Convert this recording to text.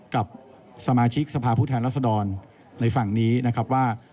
กับสมาชิกสภาพผู้แทนรัศดรในฝั่งนี้นะครับว่า